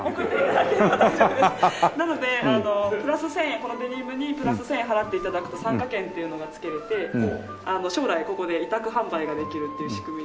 このデニムにプラス１０００円払って頂くと参加権っていうのがつけられて将来ここで委託販売ができるっていう仕組みに。